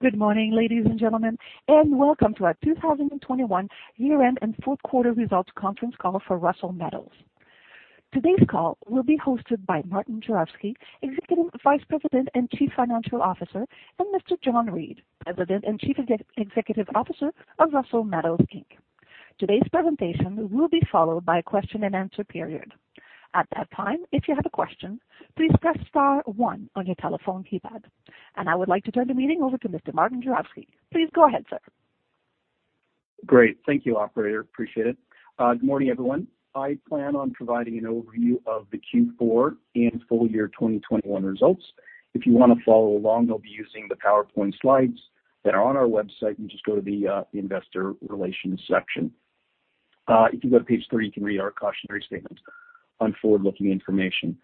Good morning, ladies and gentlemen, and welcome to our 2021 year-end and fourth quarter results conference call for Russel Metals. Today's call will be hosted by Martin Juravsky, Executive Vice President and Chief Financial Officer, and Mr. John Reid, President and Chief Executive Officer of Russel Metals Inc. Today's presentation will be followed by a question-and-answer period. At that time, if you have a question, please press star one on your telephone keypad. I would like to turn the meeting over to Mr. Martin Juravsky. Please go ahead, sir. Great. Thank you, operator. Appreciate it. Good morning, everyone. I plan on providing an overview of the Q4 and full year 2021 results. If you wanna follow along, I'll be using the PowerPoint slides that are on our website. You just go to the investor relations section. If you go to page three, you can read our cautionary statement on forward-looking information.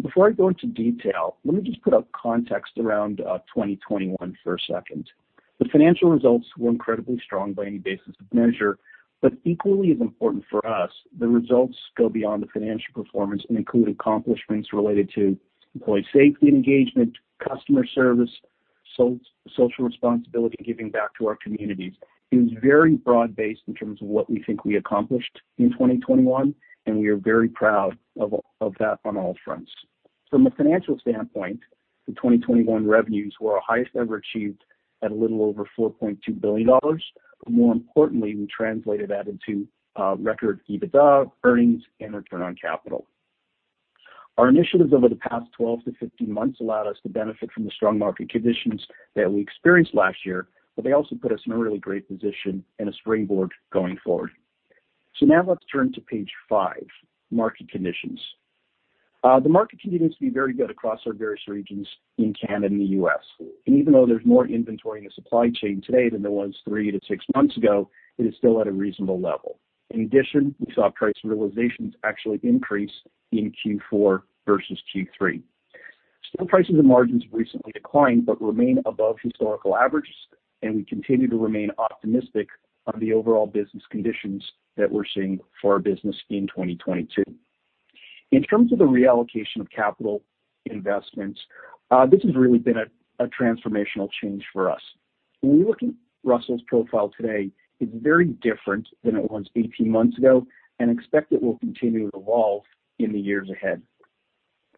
Before I go into detail, let me just put out context around 2021 for a second. The financial results were incredibly strong by any basis of measure, but equally as important for us, the results go beyond the financial performance and include accomplishments related to employee safety and engagement, customer service, social responsibility, giving back to our communities. It was very broad-based in terms of what we think we accomplished in 2021, and we are very proud of that on all fronts. From a financial standpoint, the 2021 revenues were our highest ever achieved at a little over 4.2 billion dollars. More importantly, we translated that into record EBITDA earnings and return on capital. Our initiatives over the past 12-15 months allowed us to benefit from the strong market conditions that we experienced last year, but they also put us in a really great position and a springboard going forward. Now let's turn to page five, Market Conditions. The market continued to be very good across our various regions in Canada and the U.S. Even though there's more inventory in the supply chain today than there was three-six months ago, it is still at a reasonable level. In addition, we saw price realizations actually increase in Q4 versus Q3. Steel prices and margins have recently declined but remain above historical averages, and we continue to remain optimistic on the overall business conditions that we're seeing for our business in 2022. In terms of the reallocation of capital investments, this has really been a transformational change for us. When we look at Russel's profile today, it's very different than it was 18 months ago and we expect it will continue to evolve in the years ahead.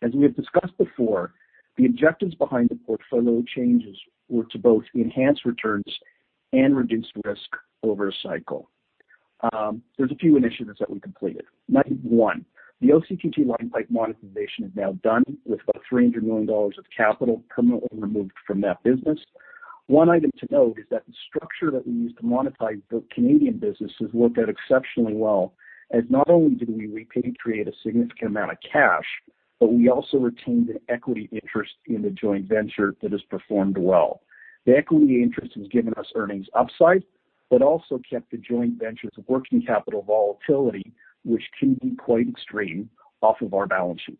As we have discussed before, the objectives behind the portfolio changes were to both enhance returns and reduce risk over a cycle. There are a few initiatives that we completed. Item one, the OCTG line pipe monetization is now done with about 300 million dollars of capital permanently removed from that business. One item to note is that the structure that we used to monetize the Canadian business has worked out exceptionally well, as not only did we recreate a significant amount of cash, but we also retained an equity interest in the joint venture that has performed well. The equity interest has given us earnings upside, but also kept the joint venture's working capital volatility, which can be quite extreme off of our balance sheet.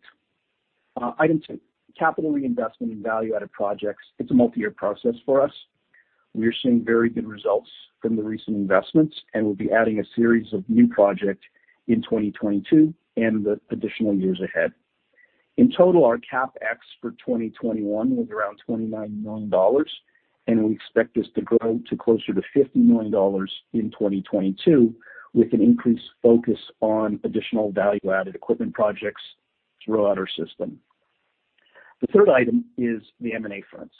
Item two, capital reinvestment and value-added projects, it's a multi-year process for us. We are seeing very good results from the recent investments, and we'll be adding a series of new project in 2022 and the additional years ahead. In total, our CapEx for 2021 was around 29 million dollars, and we expect this to grow to closer to 50 million dollars in 2022 with an increased focus on additional value-added equipment projects throughout our system. The third item is the M&A front.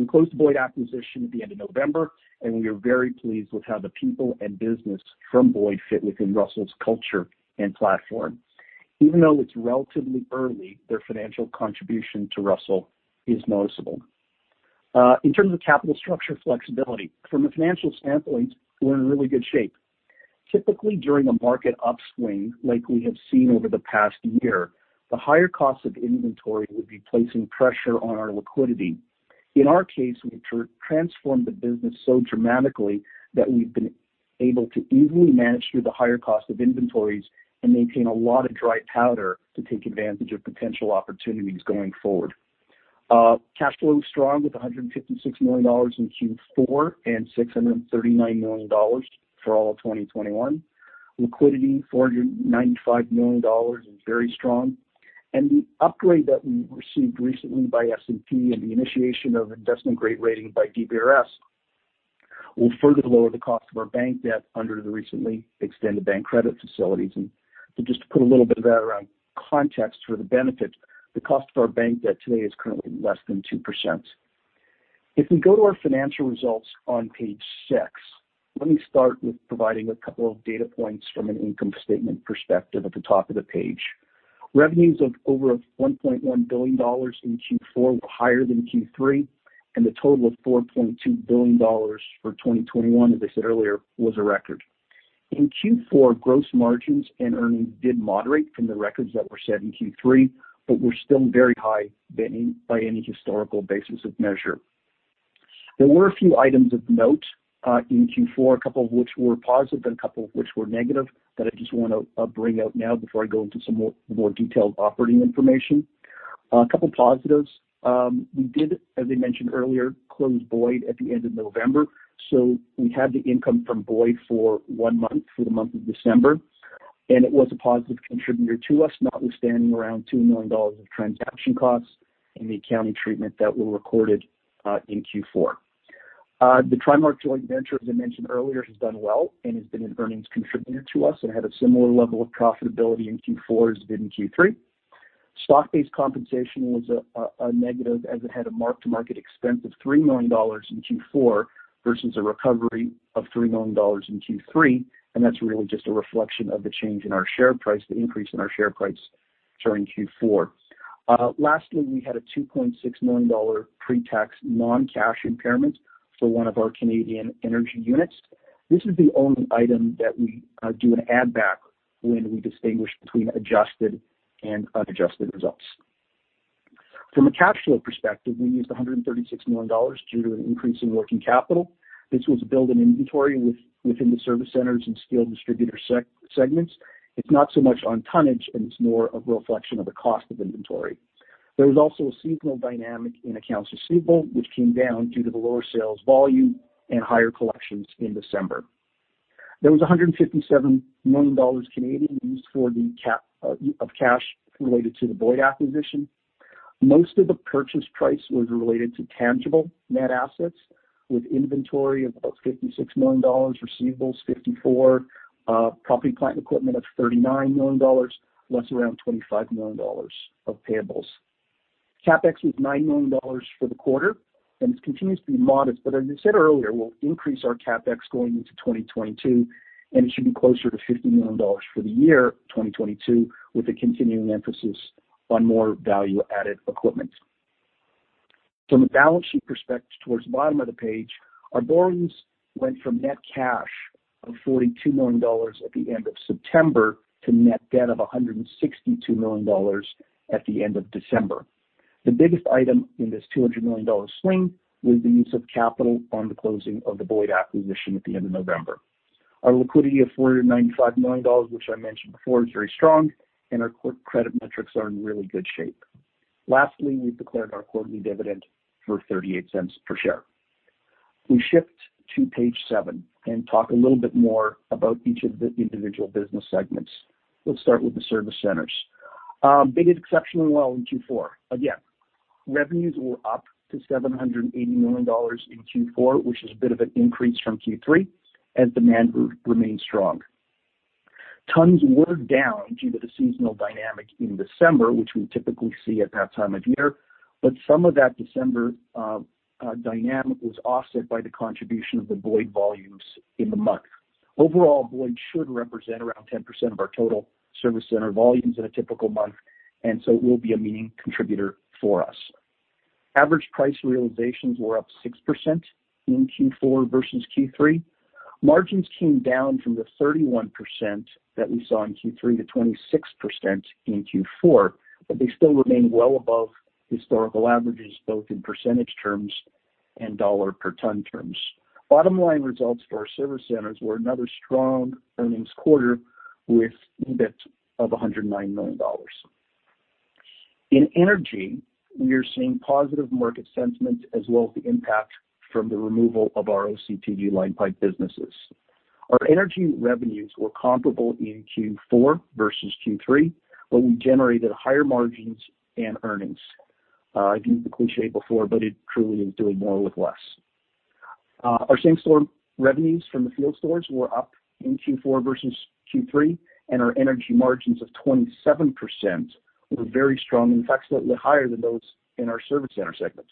We closed the Boyd acquisition at the end of November, and we are very pleased with how the people and business from Boyd fit within Russel's culture and platform. Even though it's relatively early, their financial contribution to Russel is noticeable. In terms of capital structure flexibility, from a financial standpoint, we're in really good shape. Typically, during a market upswing like we have seen over the past year, the higher cost of inventory would be placing pressure on our liquidity. In our case, we transformed the business so dramatically that we've been able to easily manage through the higher cost of inventories and maintain a lot of dry powder to take advantage of potential opportunities going forward. Cash flow is strong with 156 million dollars in Q4 and 639 million dollars for all of 2021. Liquidity, 495 million dollars is very strong. The upgrade that we received recently by S&P and the initiation of investment-grade rating by DBRS will further lower the cost of our bank debt under the recently extended bank credit facilities. Just to put a little bit of that in context for the benefit, the cost of our bank debt today is currently less than 2%. If we go to our financial results on page 6, let me start with providing a couple of data points from an income statement perspective at the top of the page. Revenues of over $1.1 billion in Q4 were higher than Q3, and the total of $4.2 billion for 2021, as I said earlier, was a record. In Q4, gross margins and earnings did moderate from the records that were set in Q3, but were still very high by any historical basis of measure. There were a few items of note in Q4, a couple of which were positive and a couple of which were negative, that I just wanna bring out now before I go into some more detailed operating information. A couple positives. We did, as I mentioned earlier, close Boyd at the end of November, so we had the income from Boyd for one month, for the month of December. It was a positive contributor to us, notwithstanding around 2 million dollars of transaction costs and the accounting treatment that were recorded in Q4. The TriMark joint venture, as I mentioned earlier, has done well and has been an earnings contributor to us and had a similar level of profitability in Q4 as it did in Q3. Stock-based compensation was a negative as it had a mark-to-market expense of 3 million dollars in Q4 versus a recovery of 3 million dollars in Q3. That's really just a reflection of the change in our share price, the increase in our share price during Q4. Lastly, we had a 2.6 million dollar pre-tax non-cash impairment for one of our Canadian energy units. This is the only item that we do an add back when we distinguish between adjusted and unadjusted results. From a cash flow perspective, we used 136 million dollars due to an increase in working capital. This was to build an inventory within the service centers and steel distributor segments. It's not so much on tonnage, and it's more a reflection of the cost of inventory. There was also a seasonal dynamic in accounts receivable, which came down due to the lower sales volume and higher collections in December. There was 157 million Canadian dollars used for cash related to the Boyd acquisition. Most of the purchase price was related to tangible net assets with inventory of about 56 million dollars, receivables 54, property, plant, and equipment of 39 million dollars, less around 25 million dollars of payables. CapEx was 9 million dollars for the quarter, and this continues to be modest. As I said earlier, we'll increase our CapEx going into 2022, and it should be closer to 50 million dollars for the year 2022, with a continuing emphasis on more value-added equipment. From a balance sheet perspective, towards the bottom of the page, our borrowings went from net cash of 42 million dollars at the end of September to net debt of 162 million dollars at the end of December. The biggest item in this 200 million dollar swing was the use of capital on the closing of the Boyd Metals acquisition at the end of November. Our liquidity of 495 million dollars, which I mentioned before, is very strong, and our credit metrics are in really good shape. Lastly, we've declared our quarterly dividend for 0.38 per share. We shift to page seven and talk a little bit more about each of the individual business segments. Let's start with the service centers. They did exceptionally well in Q4. Again, revenues were up to 780 million dollars in Q4, which is a bit of an increase from Q3 as demand remains strong. Tons were down due to the seasonal dynamic in December, which we typically see at that time of year, but some of that December dynamic was offset by the contribution of the Boyd volumes in the month. Overall, Boyd should represent around 10% of our total service center volumes in a typical month, and so it will be a meaningful contributor for us. Average price realizations were up 6% in Q4 versus Q3. Margins came down from the 31% that we saw in Q3 to 26% in Q4, but they still remain well above historical averages, both in percentage terms and dollar per ton terms. Bottom line results for our service centers were another strong earnings quarter with EBIT of 109 million dollars. In energy, we are seeing positive market sentiment as well as the impact from the removal of our OCTG line pipe businesses. Our energy revenues were comparable in Q4 versus Q3, but we generated higher margins and earnings. I've used the cliché before, but it truly is doing more with less. Our same-store revenues from the field stores were up in Q4 versus Q3, and our energy margins of 27% were very strong. In fact, slightly higher than those in our service center segments.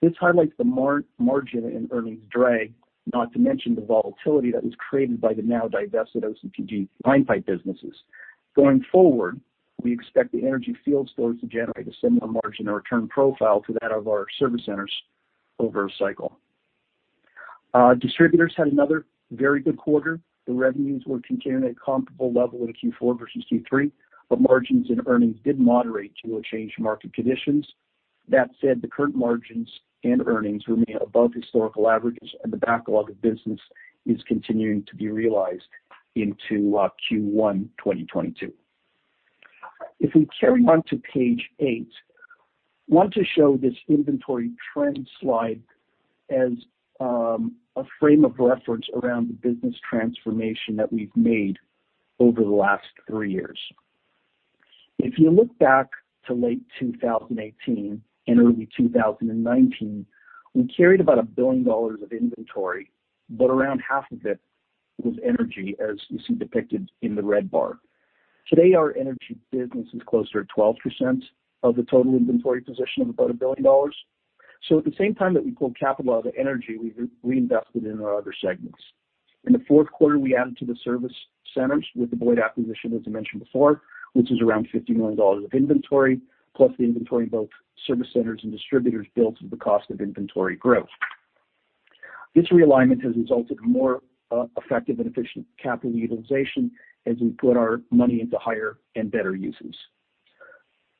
This highlights the margin in earnings drag, not to mention the volatility that was created by the now divested OCTG line pipe businesses. Going forward, we expect the energy field stores to generate a similar margin or return profile to that of our service centers over a cycle. Distributors had another very good quarter. The revenues were contained at a comparable level in Q4 versus Q3, but margins and earnings did moderate due to a change in market conditions. That said, the current margins and earnings remain above historical averages, and the backlog of business is continuing to be realized into Q1 2022. If we carry on to page eight, I want to show this inventory trend slide as a frame of reference around the business transformation that we've made over the last three years. If you look back to late 2018 and early 2019, we carried about 1 billion dollars of inventory, but around half of it was energy, as you see depicted in the red bar. Today, our energy business is closer to 12% of the total inventory position of about 1 billion dollars. At the same time that we pulled capital out of energy, we reinvested in our other segments. In the fourth quarter, we added to the service centers with the Boyd acquisition, as I mentioned before, which is around $50 million of inventory, plus the inventory in both service centers and distributors built with the cost of inventory growth. This realignment has resulted in more effective and efficient capital utilization as we put our money into higher and better uses.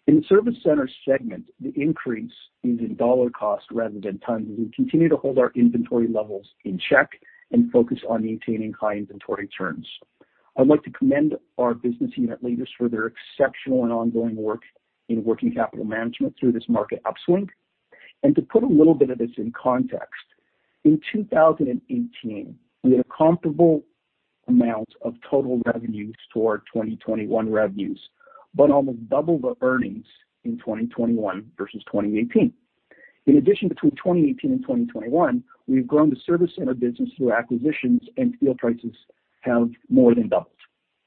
In the service center segment, the increase is in dollar cost rather than tons, as we continue to hold our inventory levels in check and focus on maintaining high inventory turns. I'd like to commend our business unit leaders for their exceptional and ongoing work in working capital management through this market upswing. To put a little bit of this in context, in 2018, we had a comparable amount of total revenues to our 2021 revenues, but almost double the earnings in 2021 versus 2018. In addition, between 2018 and 2021, we've grown the service center business through acquisitions, and steel prices have more than doubled.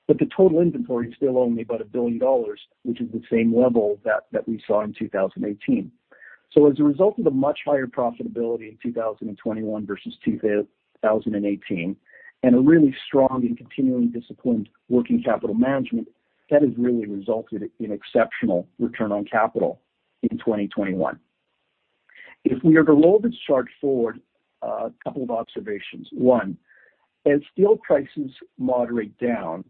The total inventory is still only about 1 billion dollars, which is the same level that we saw in 2018. As a result of the much higher profitability in 2021 versus 2018, and a really strong and continually disciplined working capital management, that has really resulted in exceptional return on capital in 2021. If we are to roll this chart forward, a couple of observations. One, as steel prices moderate down,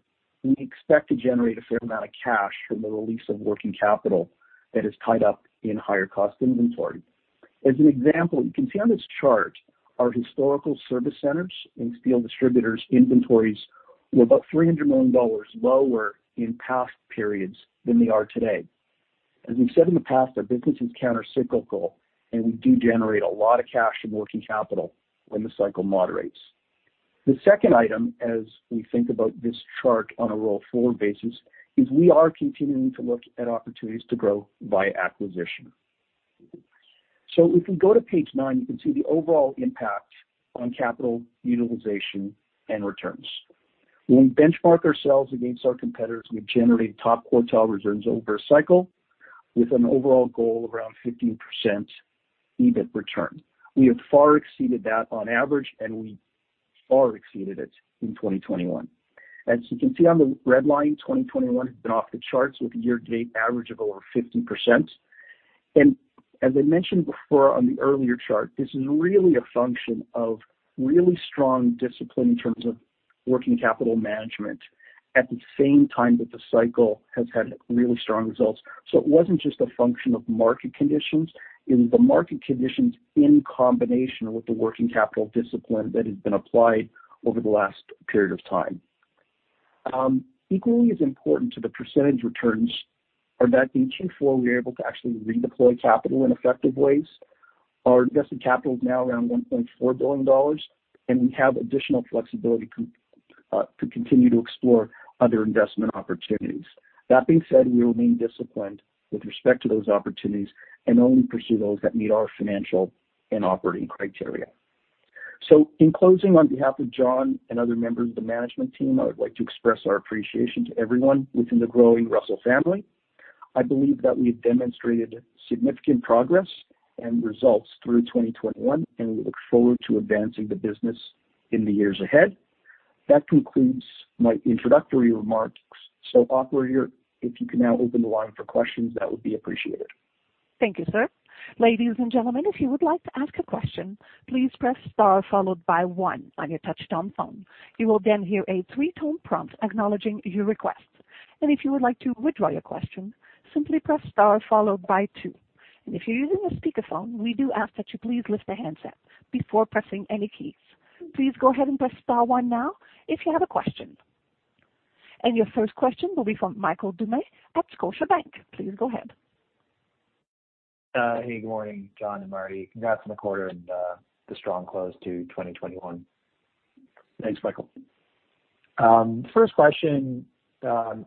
we expect to generate a fair amount of cash from the release of working capital that is tied up in higher cost inventory. As an example, you can see on this chart our historical service centers and steel distributors inventories were about 300 million dollars lower in past periods than they are today. As we've said in the past, our business is countercyclical, and we do generate a lot of cash from working capital when the cycle moderates. The second item, as we think about this chart on a roll-forward basis, is we are continuing to look at opportunities to grow via acquisition. If we go to page nine, you can see the overall impact on capital utilization and returns. When we benchmark ourselves against our competitors, we generate top quartile returns over a cycle with an overall goal around 15% EBIT return. We have far exceeded that on average, and we far exceeded it in 2021. As you can see on the red line, 2021 has been off the charts with a year-to-date average of over 50%. As I mentioned before on the earlier chart, this is really a function of really strong discipline in terms of working capital management at the same time that the cycle has had really strong results. It wasn't just a function of market conditions. It was the market conditions in combination with the working capital discipline that has been applied over the last period of time. Equally as important to the percentage returns are that in Q4 we were able to actually redeploy capital in effective ways. Our invested capital is now around 1.4 billion dollars, and we have additional flexibility to continue to explore other investment opportunities. That being said, we will remain disciplined with respect to those opportunities and only pursue those that meet our financial and operating criteria. In closing, on behalf of John and other members of the management team, I would like to express our appreciation to everyone within the growing Russel family. I believe that we have demonstrated significant progress and results through 2021, and we look forward to advancing the business in the years ahead. That concludes my introductory remarks. Operator, if you can now open the line for questions, that would be appreciated. Thank you, sir. Ladies and gentlemen, if you would like to ask a question, please press star followed by one on your touchtone phone. You will then hear a three-tone prompt acknowledging your request. If you would like to withdraw your question, simply press star followed by two. If you're using a speakerphone, we do ask that you please lift the handset before pressing any keys. Please go ahead and press star one now if you have a question. Your first question will be from Michael Doumet at Scotiabank. Please go ahead. Hey, good morning, John and Marty. Congrats on the quarter and the strong close to 2021. Thanks, Michael. First question, can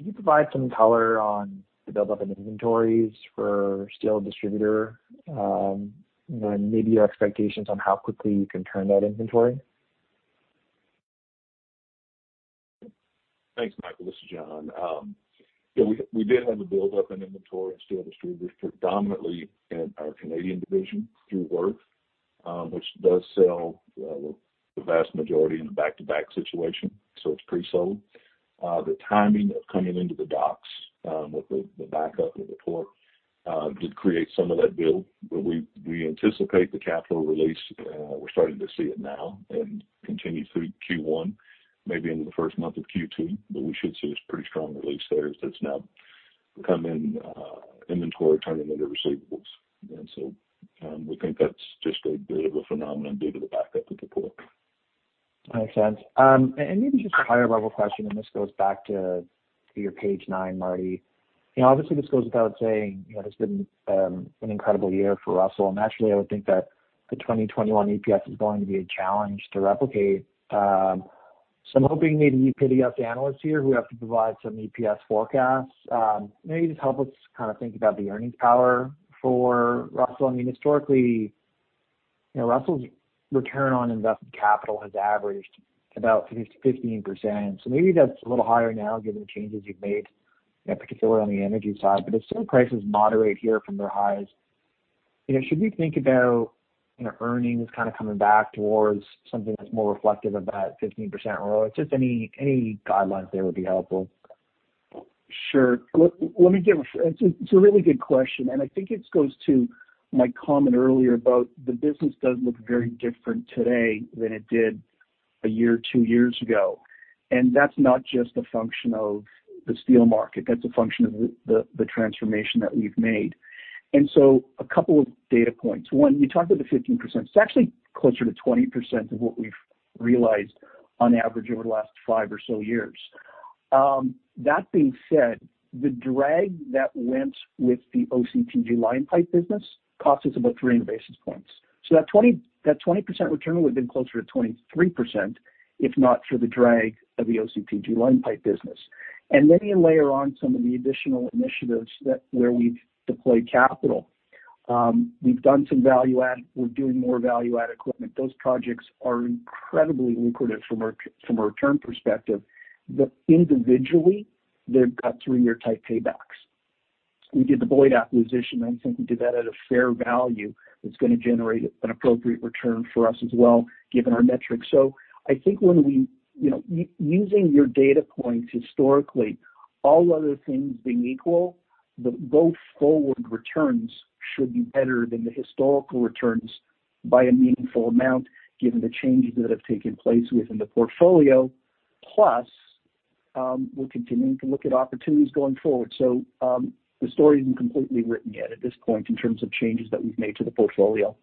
you provide some color on the buildup in inventories for steel distributor, and maybe your expectations on how quickly you can turn that inventory? Thanks, Michael. This is John. Yeah, we did have a buildup in inventory in steel distributors, predominantly in our Canadian division through Wirth, which does sell the vast majority in a back-to-back situation, so it's pre-sold. The timing of coming into the docks with the backup at the port did create some of that build. We anticipate the capital release. We're starting to see it now and continue through Q1, maybe into the first month of Q2. We should see this pretty strong release there as that's now become inventory turning into receivables. We think that's just a bit of a phenomenon due to the backup at the port. Makes sense. Maybe just a higher-level question, and this goes back to your page nine, Marty. You know, obviously, this goes without saying, you know, it's been an incredible year for Russel, and naturally I would think that the 2021 EPS is going to be a challenge to replicate. I'm hoping maybe you pity us analysts here who have to provide some EPS forecasts. Maybe just help us kind of think about the earnings power for Russel. I mean, historically, you know, Russel's return on invested capital has averaged about 15%. Maybe that's a little higher now given the changes you've made, you know, particularly on the energy side. As steel prices moderate here from their highs, you know, should we think about, you know, earnings kind of coming back towards something that's more reflective of that 15% or just any guidelines there would be helpful? Sure. Let me give. It's a really good question, and I think it goes to my comment earlier about the business does look very different today than it did a year or two years ago. That's not just a function of the steel market, that's a function of the transformation that we've made. A couple of data points. One, you talked about the 15%. It's actually closer to 20% of what we've realized on average over the last five or so years. That being said, the drag that went with the OCTG line pipe business cost us about three basis points. So that 20% return would have been closer to 23% if not for the drag of the OCTG line pipe business. Then you layer on some of the additional initiatives that we've deployed capital. We've done some value add. We're doing more value add equipment. Those projects are incredibly lucrative from a return perspective, but individually, they've got three-year type paybacks. We did the Boyd acquisition. I think we did that at a fair value that's gonna generate an appropriate return for us as well, given our metrics. I think when we, you know, using your data points historically, all other things being equal, the go forward returns should be better than the historical returns by a meaningful amount given the changes that have taken place within the portfolio. Plus, we're continuing to look at opportunities going forward. The story isn't completely written yet at this point in terms of changes that we've made to the portfolio.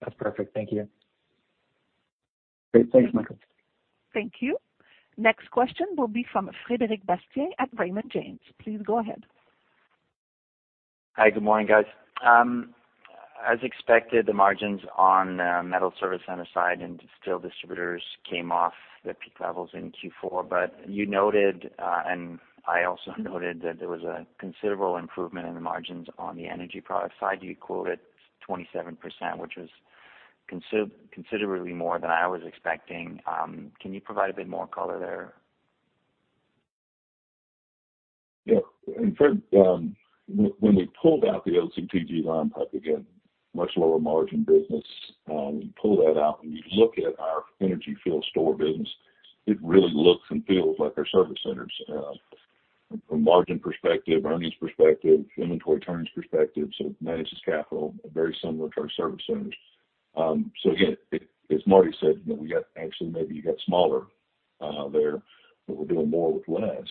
That's perfect. Thank you. Great. Thanks, Michael. Thank you. Next question will be from Frederic Bastien at Raymond James. Please go ahead. Hi. Good morning, guys. As expected, the margins on metal service center side and steel distributors came off their peak levels in Q4. You noted and I also noted that there was a considerable improvement in the margins on the energy product side. You quoted 27%, which was considerably more than I was expecting. Can you provide a bit more color there? Yeah. Fred, when we pulled out the OCTG line pipe, again, much lower margin business, you pull that out and you look at our energy field store business, it really looks and feels like our service centers from margin perspective, earnings perspective, inventory turns perspective. It manages capital very similar to our service centers. Again, as Marty said, you know, actually maybe you got smaller there, but we're doing more with less.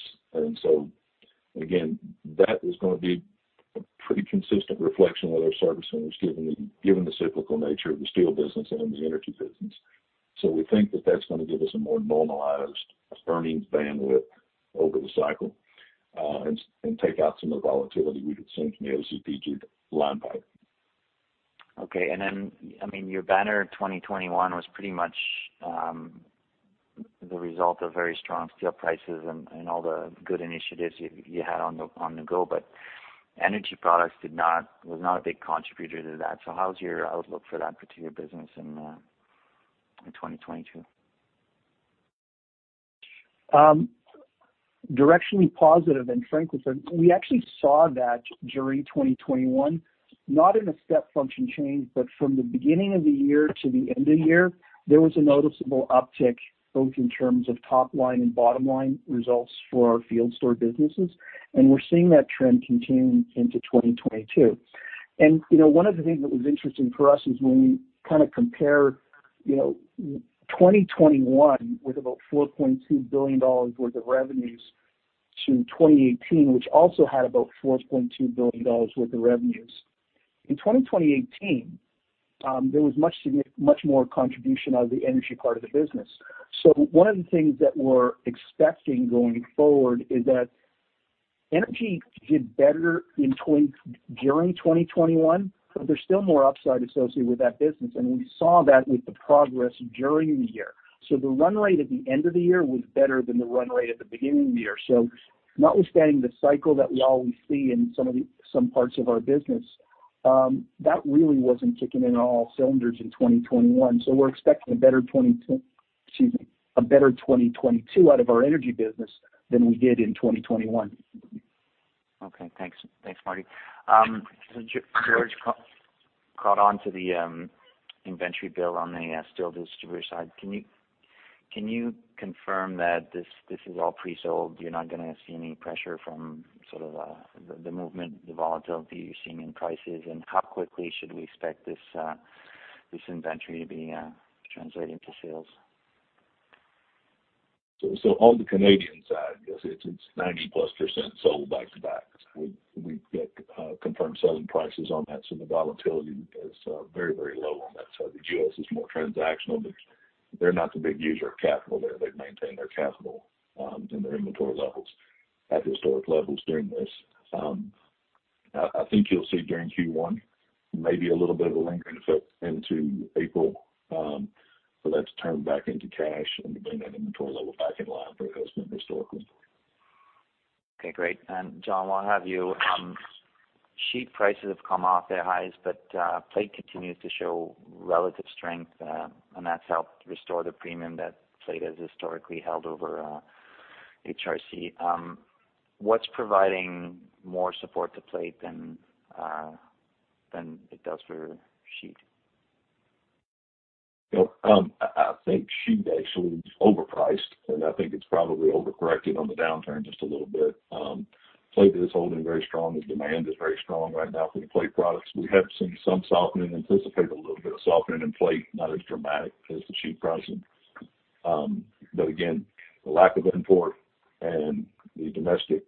Again, that is gonna be a pretty consistent reflection of our service centers, given the cyclical nature of the steel business and the energy business. We think that that's gonna give us a more normalized earnings bandwidth over the cycle and take out some of the volatility we would see from the OCTG line pipe. Okay. I mean, your banner in 2021 was pretty much the result of very strong steel prices and all the good initiatives you had on the go. Energy products was not a big contributor to that. How's your outlook for that particular business in 2022? Directionally positive. Fred, we actually saw that during 2021, not in a step function change, but from the beginning of the year to the end of the year, there was a noticeable uptick, both in terms of top line and bottom line results for our field store businesses, and we're seeing that trend continuing into 2022. You know, one of the things that was interesting for us is when we kinda compare, you know, 2021 with about 4.2 billion dollars worth of revenues to 2018, which also had about 4.2 billion dollars worth of revenues. In 2018, there was much more contribution out of the energy part of the business. One of the things that we're expecting going forward is that energy did better during 2021, but there's still more upside associated with that business. We saw that with the progress during the year. The run rate at the end of the year was better than the run rate at the beginning of the year. Notwithstanding the cycle that we always see in some parts of our business, that really wasn't kicking in all cylinders in 2021. We're expecting a better 2022 out of our energy business than we did in 2021. Okay, thanks. Thanks, Marty. caught on to the inventory build on the steel distributor side. Can you confirm that this is all pre-sold, you're not gonna see any pressure from sort of the movement, the volatility you're seeing in prices? How quickly should we expect this inventory to be translating to sales? On the Canadian side, it's 90%+ sold back to back. We get confirmed selling prices on that, so the volatility is very low on that side. The U.S. is more transactional. They're not the big user of capital there. They've maintained their capital and their inventory levels at historic levels during this. I think you'll see during Q1 maybe a little bit of a lingering effect into April for that to turn back into cash and to bring that inventory level back in line for what it has been historically. Okay, great. John, while I have you, sheet prices have come off their highs, but plate continues to show relative strength, and that's helped restore the premium that plate has historically held over HRC. What's providing more support to plate than it does for sheet? You know, I think sheet actually was overpriced, and I think it's probably overcorrected on the downturn just a little bit. Plate is holding very strong. The demand is very strong right now for the plate products. We have seen some softening, anticipate a little bit of softening in plate, not as dramatic as the sheet pricing. But again, the lack of imports and the domestic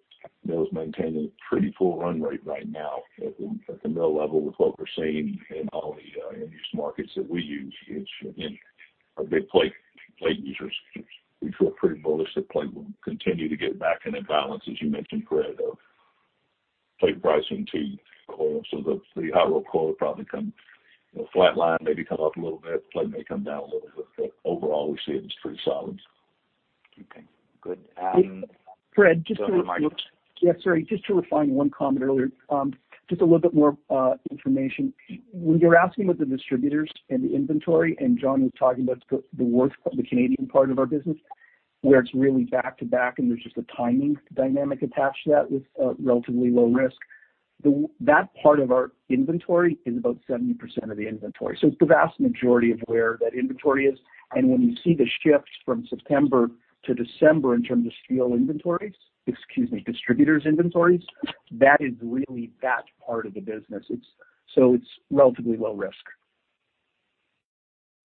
mill is maintaining a pretty full run rate right now at the mill level with what we're seeing in all the end use markets that we use. It's again our big plate users. We feel pretty bullish that plate will continue to get back into balance, as you mentioned, Fred, of plate pricing to coil. The hot rolled coil will probably come, you know, flatline, maybe come up a little bit. Plate may come down a little bit, but overall we see it as pretty solid. Okay. Good. Fred, just to. Go ahead, Marty. Sorry, just to refine one comment earlier, just a little bit more information. When you're asking about the distributors and the inventory, and John was talking about the worst of the Canadian part of our business, where it's really back to back and there's just a timing dynamic attached to that with relatively low risk. That part of our inventory is about 70% of the inventory, so it's the vast majority of where that inventory is. When you see the shift from September to December in terms of steel inventories, excuse me, distributors inventories, that is really that part of the business. It's relatively low risk.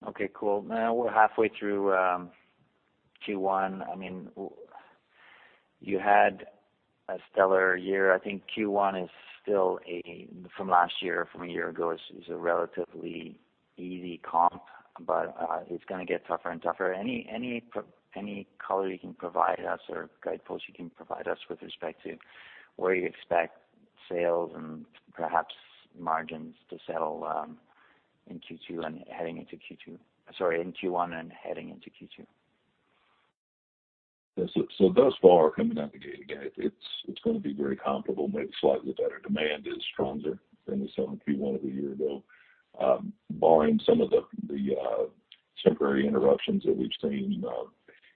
Okay, cool. Now we're halfway through Q1. I mean, you had a stellar year. I think Q1 is still from last year, from a year ago, is a relatively easy comp, but it's gonna get tougher and tougher. Any color you can provide us or guideposts you can provide us with respect to where you expect sales and perhaps margins to settle in Q2 and heading into Q2? Sorry, in Q1 and heading into Q2. Yes. Thus far coming out the gate, again, it's gonna be very comparable, maybe slightly better. Demand is stronger than we saw in Q1 of a year ago. Barring some of the temporary interruptions that we've seen,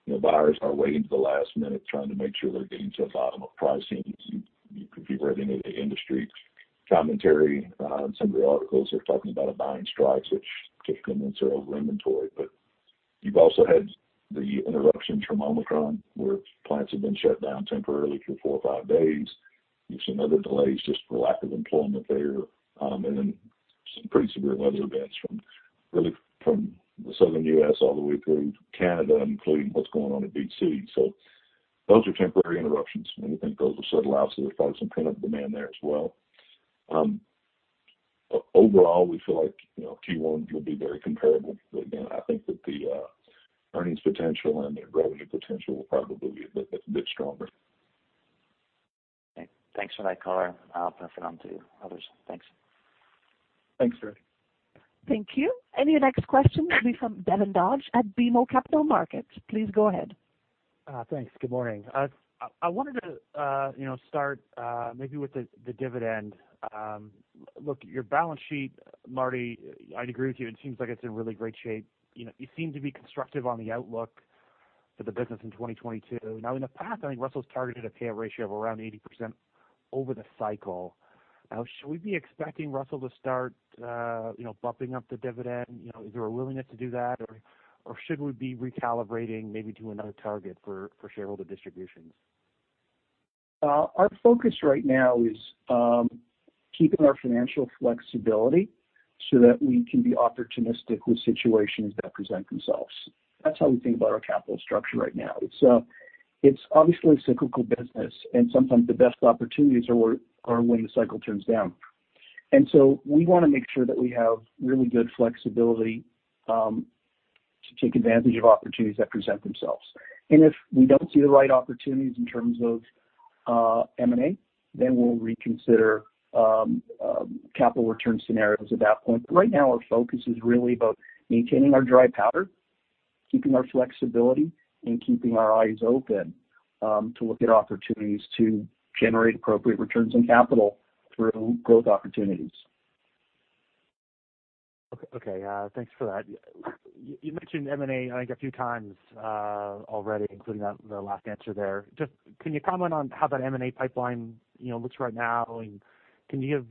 you know, buyers are waiting to the last minute trying to make sure they're getting to the bottom of pricing. If you read any of the industry commentary, and some of the articles are talking about buying strikes, which typically means they're over-inventoried. You've also had the interruptions from Omicron, where plants have been shut down temporarily for four or five days. You've seen other delays just for lack of employment there. Some pretty severe weather events from the Southern U.S. all the way through Canada, including what's going on in BC. Those are temporary interruptions, and we think those will settle out. There's probably some pent-up demand there as well. Overall we feel like, you know, Q1 will be very comparable. Again, I think that the earnings potential and the revenue potential will probably be a bit stronger. Okay. Thanks for that color. I'll pass it on to others. Thanks. Thanks, Fred. Thank you. Your next question will be from Devin Dodge at BMO Capital Markets. Please go ahead. Thanks. Good morning. I wanted to, you know, start maybe with the dividend. Look, your balance sheet, Marty, I'd agree with you, it seems like it's in really great shape. You know, you seem to be constructive on the outlook for the business in 2022. Now in the past, I think Russel's targeted a payout ratio of around 80% over the cycle. Now should we be expecting Russel to start, you know, bumping up the dividend? You know, is there a willingness to do that, or should we be recalibrating maybe to another target for shareholder distributions? Our focus right now is keeping our financial flexibility so that we can be opportunistic with situations that present themselves. That's how we think about our capital structure right now. It's obviously a cyclical business, and sometimes the best opportunities are when the cycle turns down. We wanna make sure that we have really good flexibility to take advantage of opportunities that present themselves. If we don't see the right opportunities in terms of M&A, then we'll reconsider capital return scenarios at that point. Right now our focus is really about maintaining our dry powder, keeping our flexibility, and keeping our eyes open to look at opportunities to generate appropriate returns on capital through growth opportunities. Okay. Thanks for that. You mentioned M&A I think a few times already, including on the last answer there. Just can you comment on how that M&A pipeline, you know, looks right now, and can you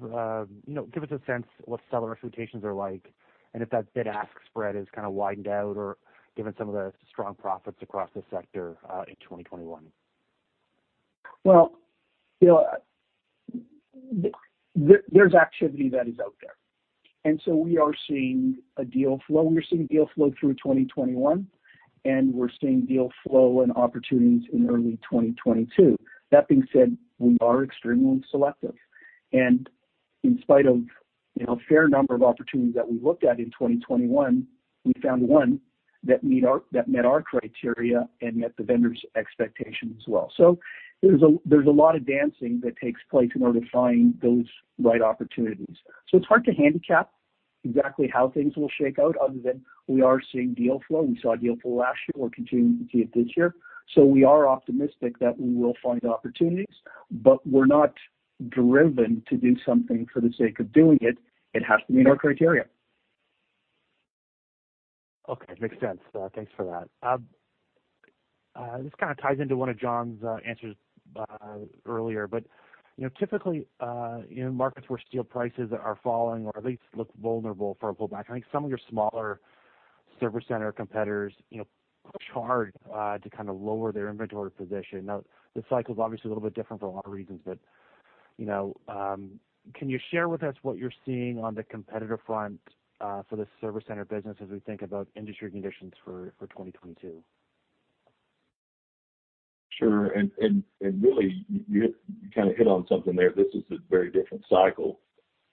know, give us a sense what seller expectations are like, and if that bid-ask spread has kind of widened out or given some of the strong profits across the sector in 2021? Well, you know, there's activity that is out there. We are seeing a deal flow. We were seeing deal flow through 2021, and we're seeing deal flow and opportunities in early 2022. That being said, we are extremely selective. In spite of, you know, a fair number of opportunities that we looked at in 2021, we found one that met our criteria and met the vendor's expectation as well. There's a lot of dancing that takes place in order to find those right opportunities. It's hard to handicap exactly how things will shake out other than we are seeing deal flow. We saw deal flow last year. We're continuing to see it this year. We are optimistic that we will find opportunities, but we're not driven to do something for the sake of doing it. It has to meet our criteria. Okay. Makes sense. Thanks for that. This kind of ties into one of John's answers earlier. You know, typically, in markets where steel prices are falling or at least look vulnerable for a pullback, I think some of your smaller service center competitors, you know, push hard to kind of lower their inventory position. Now, this cycle's obviously a little bit different for a lot of reasons, but you know, can you share with us what you're seeing on the competitor front for the service center business as we think about industry conditions for 2022? Sure. Really, you kind of hit on something there. This is a very different cycle.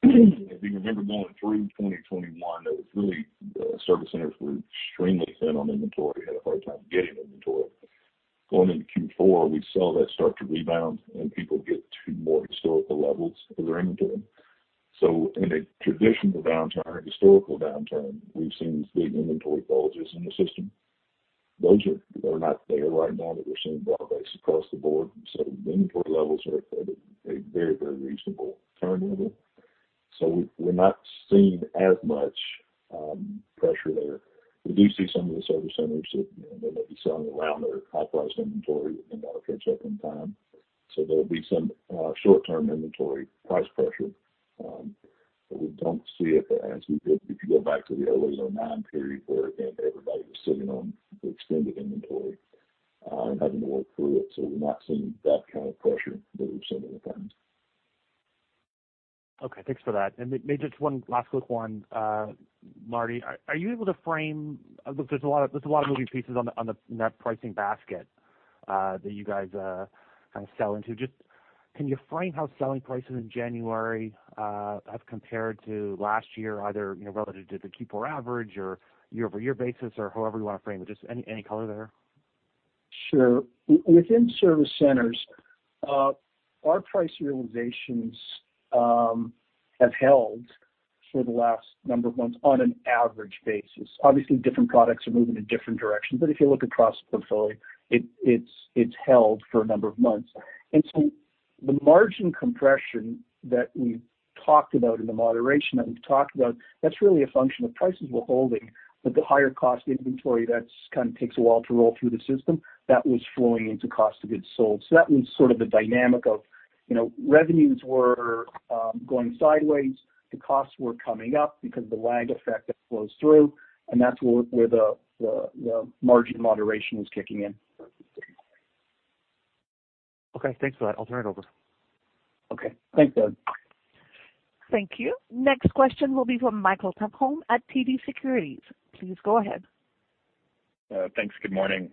If you remember going through 2021, it was really, service centers were extremely thin on inventory, had a hard time getting inventory. Going into Q4, we saw that start to rebound and people get to more historical levels of their inventory. In a traditional downturn, a historical downturn, we've seen big inventory bulges in the system. Those are not there right now, that we're seeing broad-based across the board. The inventory levels are at a very, very reasonable turn level. We're not seeing as much pressure there. We do see some of the service centers that, you know, they may be selling around their high-priced inventory and not catch up in time. There'll be some short-term inventory price pressure. We don't see it as we did if you go back to the 2008, 2009 period where, again, everybody was sitting on the extended inventory and having to work through it. We're not seeing that kind of pressure that we've seen other times. Okay. Thanks for that. Maybe just one last quick one. Marty, are you able to frame? Look, there's a lot of moving pieces in that pricing basket that you guys kind of sell into. Can you frame how selling prices in January have compared to last year, either, you know, relative to the Q4 average or year-over-year basis or however you wanna frame it? Just any color there? Sure. Within service centers, our price realizations have held for the last number of months on an average basis. Obviously, different products are moving in different directions. If you look across the portfolio, it's held for a number of months. The margin compression that we talked about and the moderation that we've talked about, that's really a function of prices were holding, but the higher cost inventory, that's kind of takes a while to roll through the system, that was flowing into cost of goods sold. That was sort of the dynamic of, you know, revenues were going sideways, the costs were coming up because of the lag effect that flows through, and that's where the margin moderation was kicking in. Okay. Thanks for that. I'll turn it over. Okay. Thanks, Doug. Thank you. Next question will be from Michael Tupholme at TD Securities. Please go ahead. Thanks. Good morning.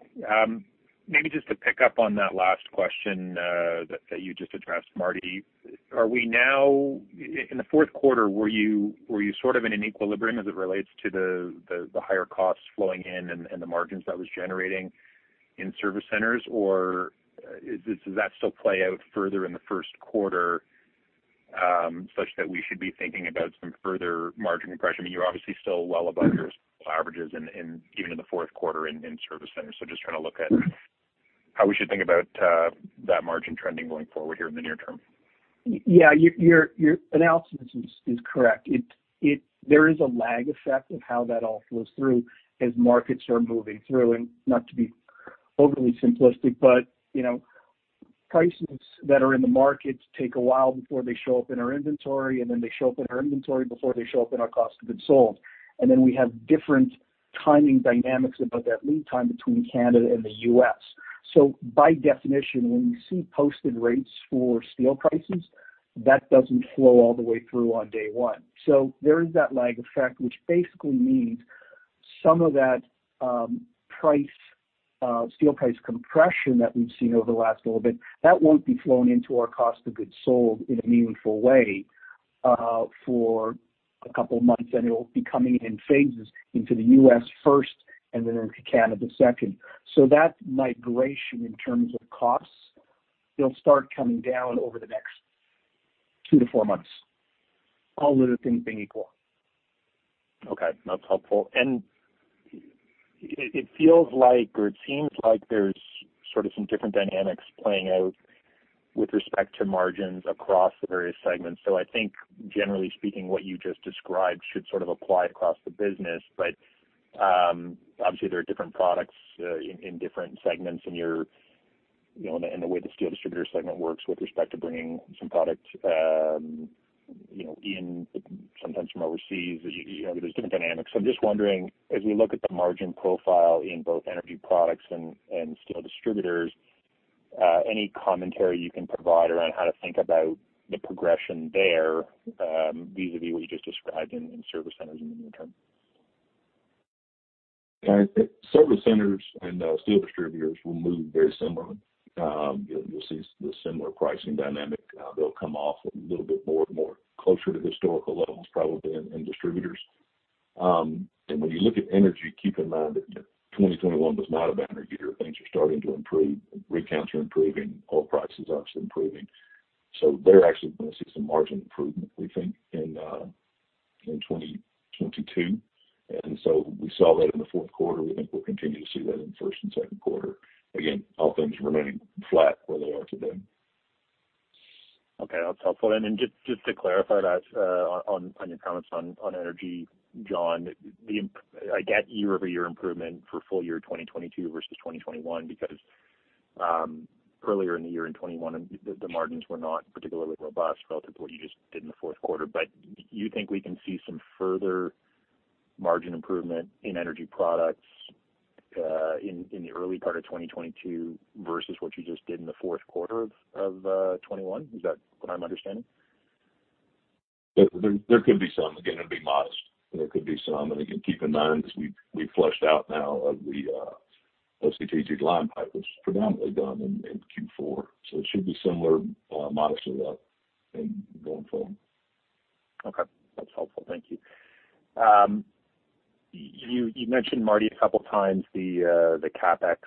Maybe just to pick up on that last question that you just addressed, Marty. Are we now in the fourth quarter in an equilibrium as it relates to the higher costs flowing in and the margins that was generating in service centers? Or does that still play out further in the first quarter such that we should be thinking about some further margin compression? You're obviously still well above your historical averages in even the fourth quarter in service centers. Just trying to look at how we should think about that margin trending going forward here in the near term. Yeah. Your analysis is correct. There is a lag effect of how that all flows through as markets are moving through. Not to be overly simplistic, but, you know, prices that are in the market take a while before they show up in our inventory, and then they show up in our inventory before they show up in our cost of goods sold. We have different timing dynamics about that lead time between Canada and the U.S. By definition, when we see posted rates for steel prices, that doesn't flow all the way through on day one. There is that lag effect, which basically means some of that steel price compression that we've seen over the last little bit, that won't be flowing into our cost of goods sold in a meaningful way for a couple of months, and it'll be coming in phases into the U.S. first and then into Canada second. That migration in terms of costs, they'll start coming down over the next two-four months, all other things being equal. Okay. That's helpful. It feels like or it seems like there's sort of some different dynamics playing out with respect to margins across the various segments. I think generally speaking, what you just described should sort of apply across the business. Obviously there are different products in different segments and you're, you know, and the way the steel distributor segment works with respect to bringing some product, you know, in sometimes from overseas, you know, there's different dynamics. I'm just wondering, as we look at the margin profile in both energy products and steel distributors, any commentary you can provide around how to think about the progression there, vis-a-vis what you just described in service centers in the near term? Service centers and steel distributors will move very similarly. You'll see the similar pricing dynamic. They'll come off a little bit more and more closer to historical levels probably in distributors. When you look at energy, keep in mind that, you know, 2021 was not a banner year. Things are starting to improve. Rig counts are improving. Oil prices are obviously improving. They're actually gonna see some margin improvement, we think, in 2022. We saw that in the fourth quarter. We think we'll continue to see that in the first and second quarter. Again, all things remaining flat where they are today. Okay. That's helpful. Just to clarify that, on your comments on energy, John, I get year-over-year improvement for full year 2022 versus 2021 because earlier in the year in 2021, the margins were not particularly robust relative to what you just did in the fourth quarter. You think we can see some further margin improvement in energy products in the early part of 2022 versus what you just did in the fourth quarter of 2021. Is that what I'm understanding? There could be some. Again, it'd be modest. There could be some. Again, keep in mind as we've fleshed out now the strategic line pipe was predominantly done in Q4. It should be similar, modest or up going forward. Okay. That's helpful. Thank you. You mentioned, Marty, a couple times the CapEx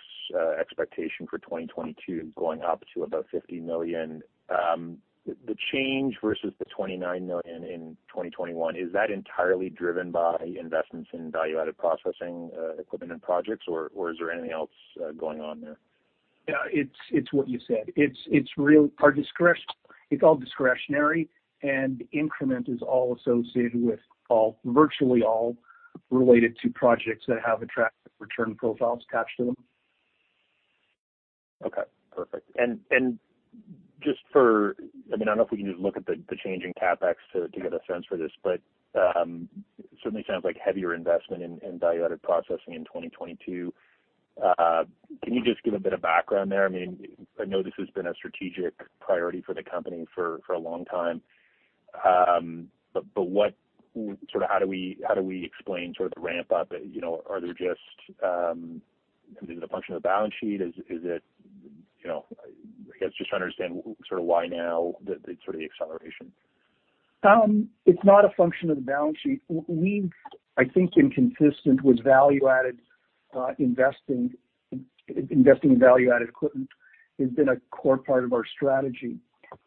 expectation for 2022 going up to about 50 million. The change versus the 29 million in 2021, is that entirely driven by investments in value-added processing equipment and projects, or is there anything else going on there? Yeah. It's what you said. It's all discretionary and the incremental is all associated with virtually all related to projects that have attractive return profiles attached to them. Okay. Perfect. Just for, I mean, I don't know if we can just look at the change in CapEx to get a sense for this. It certainly sounds like heavier investment in value-added processing in 2022. Can you just give a bit of background there? I mean, I know this has been a strategic priority for the company for a long time. What sort of how do we explain sort of the ramp up? You know, are there just I mean, is it a function of the balance sheet? Is it, you know. I guess just to understand what sort of why now the sort of the acceleration. It's not a function of the balance sheet. I think consistent with value-added investing in value-added equipment has been a core part of our strategy.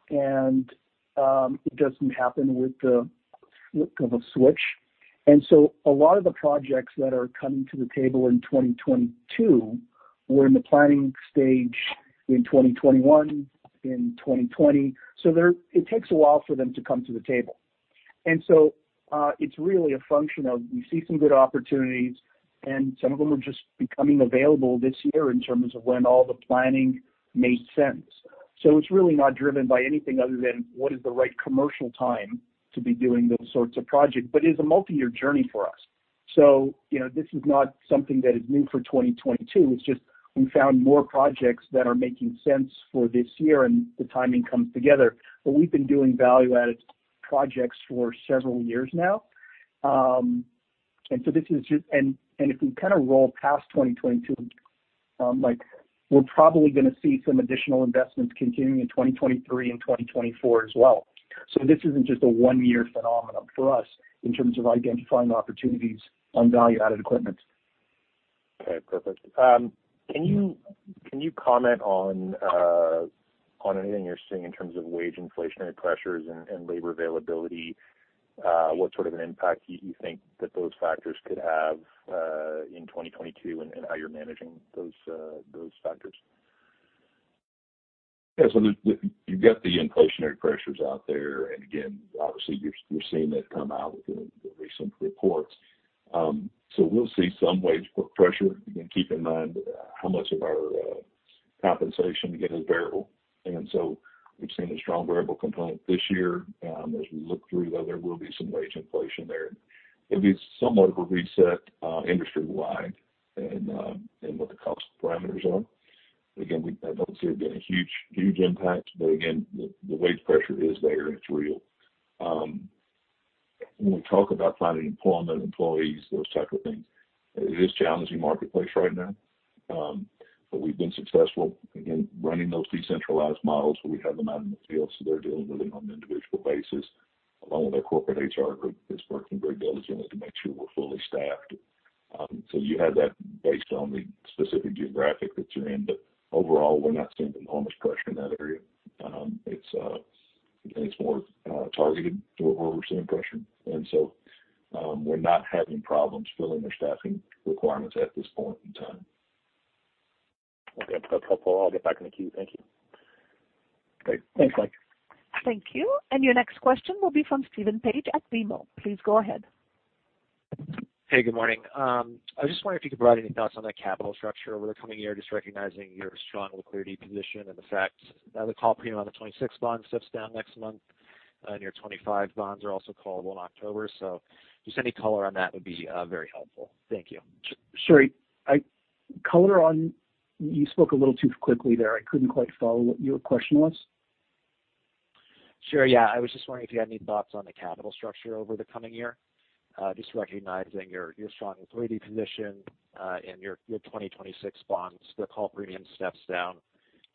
It doesn't happen with the flip of a switch. A lot of the projects that are coming to the table in 2022 were in the planning stage in 2021, in 2020. It takes a while for them to come to the table. It's really a function of we see some good opportunities, and some of them are just becoming available this year in terms of when all the planning made sense. It's really not driven by anything other than what is the right commercial time to be doing those sorts of projects. It's a multi-year journey for us. You know, this is not something that is new for 2022. It's just we found more projects that are making sense for this year, and the timing comes together. We've been doing value-added projects for several years now. This is just, and if we kind of roll past 2022, like we're probably gonna see some additional investments continuing in 2023 and 2024 as well. This isn't just a one-year phenomenon for us in terms of identifying opportunities on value-added equipment. Okay. Perfect. Can you comment on anything you're seeing in terms of wage inflationary pressures and labor availability? What sort of an impact do you think that those factors could have in 2022, and how you're managing those factors? Yeah. You've got the inflationary pressures out there. Again, obviously, you're seeing that come out within the recent reports. We'll see some wage pressure. Again, keep in mind how much of our compensation again is variable. We've seen a strong variable component this year. As we look through, though, there will be some wage inflation there. It'll be somewhat of a reset, industry-wide in what the cost parameters are. Again, I don't see, again, a huge impact, but again, the wage pressure is there, and it's real. When we talk about finding employment, employees, those type of things, it is a challenging marketplace right now. We've been successful again running those decentralized models where we have them out in the field, so they're dealing with it on an individual basis, along with our corporate HR group that's working very diligently to make sure we're fully staffed. You have that based on the specific geography that you're in. Overall, we're not seeing enormous pressure in that area. It's again more targeted to where we're seeing pressure. We're not having problems filling their staffing requirements at this point in time. Okay. That's helpful. I'll get back in the queue. Thank you. Great. Thanks, Mike. Thank you. Your next question will be from Devin Dodge at BMO. Please go ahead. Hey, good morning. I was just wondering if you could provide any thoughts on the capital structure over the coming year, just recognizing your strong liquidity position and the fact that the call premium on the 26 bond steps down next month, and your 25 bonds are also callable in October. Just any color on that would be very helpful. Thank you. Sure. You spoke a little too quickly there. I couldn't quite follow what your question was. Sure. Yeah. I was just wondering if you had any thoughts on the capital structure over the coming year, just recognizing your strong liquidity position, and your 2026 bonds, the call premium steps down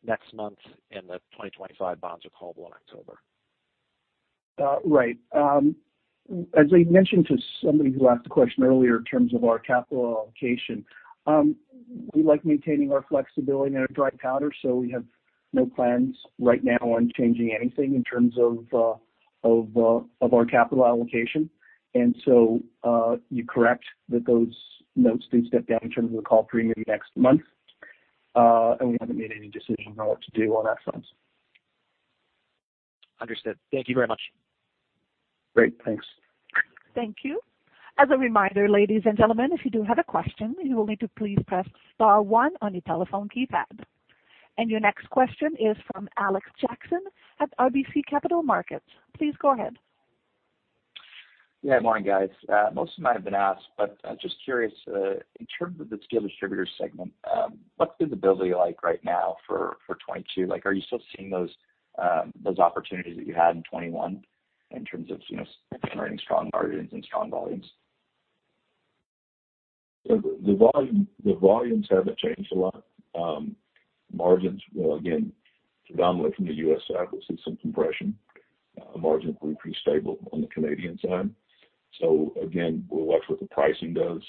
next month, and the 2025 bonds are callable in October. Right. As I mentioned to somebody who asked a question earlier in terms of our capital allocation, we like maintaining our flexibility and our dry powder, so we have no plans right now on changing anything in terms of our capital allocation. You're correct that those notes do step down in terms of the call premium next month. We haven't made any decision on what to do on that front. Understood. Thank you very much. Great. Thanks. Thank you. As a reminder, ladies and gentlemen, if you do have a question, you will need to please press star one on your telephone keypad. Your next question is from Alexander Jackson at RBC Capital Markets. Please go ahead. Yeah, morning, guys. Most of you might have been asked, but I'm just curious, in terms of the steel distributors segment, what's visibility like right now for 2022? Like, are you still seeing those opportunities that you had in 2021 in terms of, you know, generating strong margins and strong volumes? The volume, the volumes haven't changed a lot. Margins will, again, predominantly from the U.S. side, we'll see some compression. Margins will be pretty stable on the Canadian side. Again, we'll watch what the pricing does.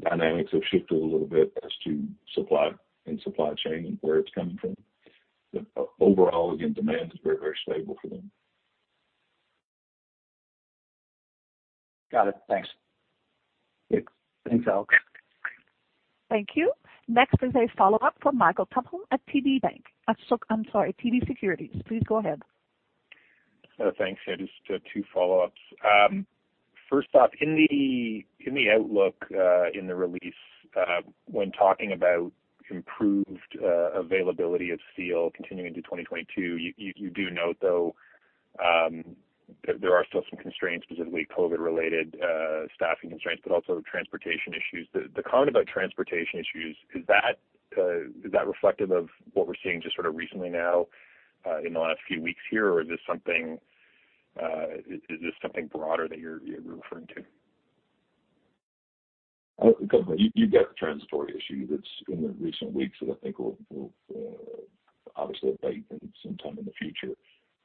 Dynamics have shifted a little bit as to supply and supply chain and where it's coming from. But overall, again, demand is very, very stable for them. Got it. Thanks. Yeah. Thanks, Alex. Thank you. Next is a follow-up from Michael Tupholme at TD Securities. Please go ahead. Thanks. Yeah, just two follow-ups. First off, in the outlook, in the release, when talking about improved availability of steel continuing to 2022, you do note, though, that there are still some constraints, specifically COVID-related staffing constraints, but also transportation issues. The comment about transportation issues, is that reflective of what we're seeing just sort of recently now, in the last few weeks here? Or is this something broader that you're referring to? Look, you've got the transitory issue that's in the recent weeks that I think will obviously abate then sometime in the future.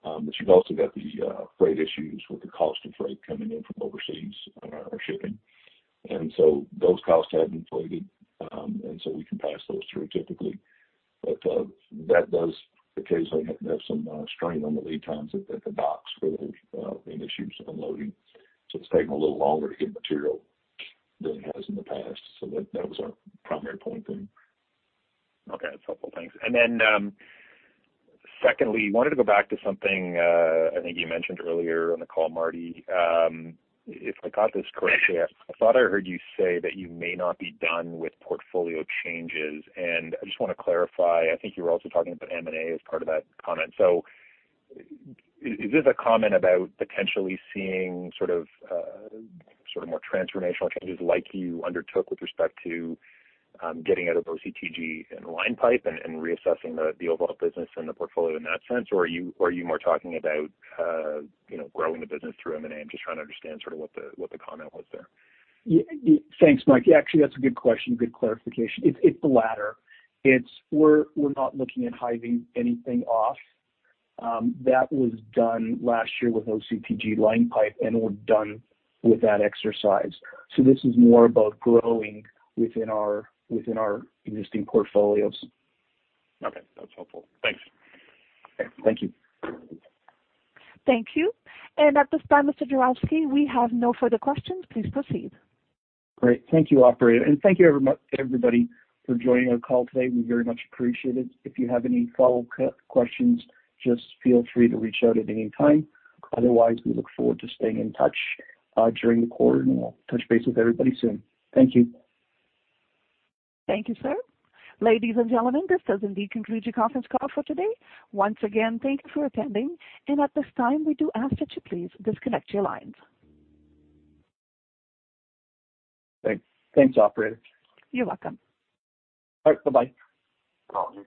You've also got the freight issues with the cost of freight coming in from overseas on our shipping. Those costs have inflated, and so we can pass those through typically. That does occasionally have some strain on the lead times at the docks where there's been issues unloading. It's taking a little longer to get material than it has in the past. That was our primary point there. Okay. That's helpful. Thanks. Then, secondly, wanted to go back to something I think you mentioned earlier on the call, Marty. If I got this correctly, I thought I heard you say that you may not be done with portfolio changes. I just wanna clarify. I think you were also talking about M&A as part of that comment. Is this a comment about potentially seeing sort of more transformational changes like you undertook with respect to getting out of OCTG and line pipe and reassessing the overall business and the portfolio in that sense? Are you more talking about you know, growing the business through M&A? I'm just trying to understand sort of what the comment was there. Thanks, Mike. Actually, that's a good question. Good clarification. It's the latter. We're not looking at hiving anything off. That was done last year with OCTG line pipe, and we're done with that exercise. This is more about growing within our existing portfolios. Okay. That's helpful. Thanks. Okay. Thank you. Thank you. At this time, Mr. Juravsky, we have no further questions. Please proceed. Great. Thank you, operator. Thank you everybody for joining our call today. We very much appreciate it. If you have any follow up questions, just feel free to reach out at any time. Otherwise, we look forward to staying in touch, during the quarter, and we'll touch base with everybody soon. Thank you. Thank you, sir. Ladies and gentlemen, this does indeed conclude your conference call for today. Once again, thank you for attending. At this time, we do ask that you please disconnect your lines. Thanks. Thanks, operator. You're welcome. All right. Bye-bye. Bye.